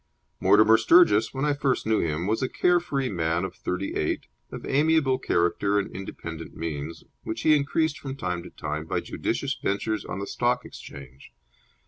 Mortimer Sturgis, when I first knew him, was a care free man of thirty eight, of amiable character and independent means, which he increased from time to time by judicious ventures on the Stock Exchange.